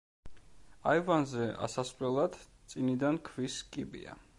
აივანზე ასასვლელად წინიდან ქვის კიბეა.